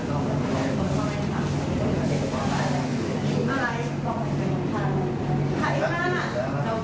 ทำไมเราข้ากลับมาอย่างนั้น